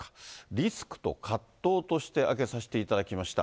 リスクと葛藤として挙げさせていただきました。